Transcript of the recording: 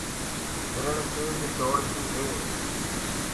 هرڻي تيج دوڙ دي هي۔